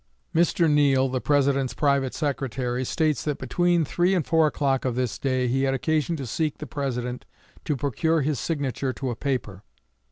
Mr. Neill, the President's private secretary, states that between three and four o'clock of this day he had occasion to seek the President to procure his signature to a paper.